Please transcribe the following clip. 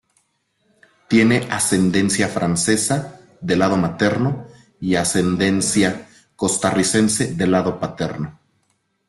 Tiene ascendencia francesa de lado materno y ascendencia costarricense de lado paterno.